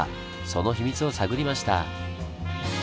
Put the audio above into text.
その秘密を探りました。